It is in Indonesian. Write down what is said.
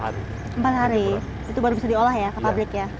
empat hari itu baru bisa diolah ya ke pabrik ya